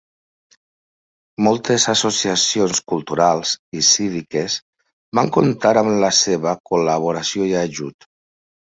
Moltes associacions culturals i cíviques van comptar amb la seva col·laboració i ajut.